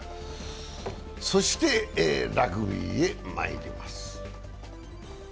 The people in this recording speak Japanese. そしてラグビーへまいります。